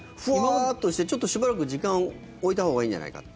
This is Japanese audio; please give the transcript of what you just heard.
ふわーっとしてちょっとしばらく時間を置いたほうがいいんじゃないかって。